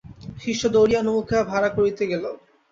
শিষ্য দৌড়িয়া নৌকা ভাড়া করিতে গেল।